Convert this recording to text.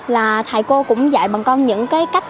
là thầy cô cũng dạy bằng con những cái cách